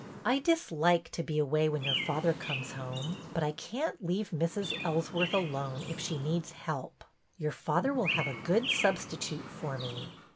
I dislike to be away when your father comes home, but I can't leave Mrs. Ellsworth alone if she needs help. Your father will have a good substitute for me."